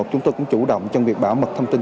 chúng tôi cũng chủ động trong việc bảo mật thông tin